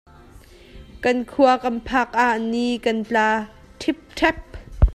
Kan khua kan phak ah ni kan tlaa riprep.